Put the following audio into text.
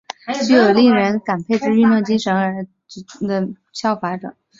具有令人感佩之运动精神而足为中华民国国民效法者。